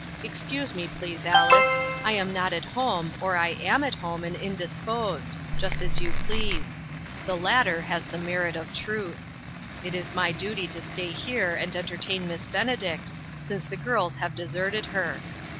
Excuse me, please, Alice ; I am not at home, or I am at home, and indisposed just as you please ; the latter has the merit of truth. It is my duty to stay here and entertain Miss Benedict, since the girls have deserted her.